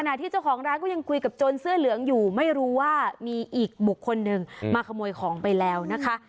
ที่เจ้าของร้านก็ยังคุยกับโจรเสื้อเหลืองอยู่ไม่รู้ว่ามีอีกบุคคลหนึ่งมาขโมยของไปแล้วนะคะ